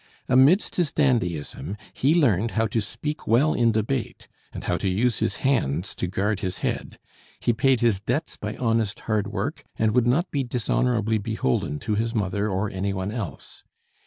Amidst his dandyism, he learned how to speak well in debate and how to use his hands to guard his head; he paid his debts by honest hard work, and would not be dishonorably beholden to his mother or any one else.